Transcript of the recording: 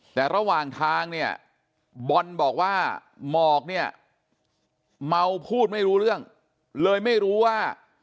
แต่ระหว่างทางเนี่ยบอลบอกว่าหมอกเนี่ยเมาพูดไม่รู้เรื่องเลยไม่รู้ว่า